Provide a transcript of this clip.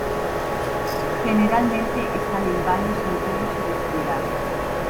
Generalmente están en baños antiguos y descuidados.